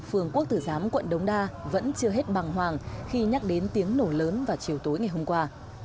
phường quốc tử giám quận đống đa vẫn chưa hết bằng hoàng khi nhắc đến tiếng nổ lớn vào chiều tối ngày hôm qua